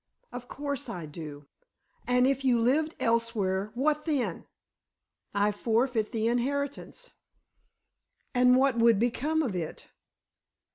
"Of course I do. And if you lived elsewhere, what then?" "I forfeit the inheritance." "And what would become of it?"